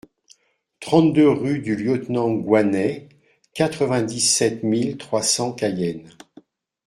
trente-deux rue du Lieutenant Goinet, quatre-vingt-dix-sept mille trois cents Cayenne